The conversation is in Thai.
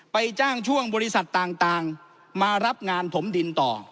จ้างช่วงบริษัทต่างมารับงานถมดินต่อ